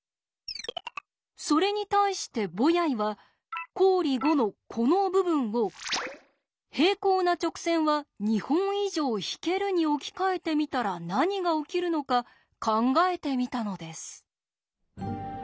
それに対してボヤイは公理５のこの部分を「平行な直線は２本以上引ける」に置き換えてみたら何が起きるのか考えてみたのです。